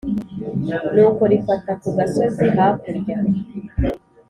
nuko rifata ku gasozi hakurya,